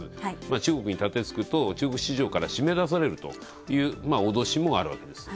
中国にたてつくと中国市場から締め出されるという脅しもあるわけです。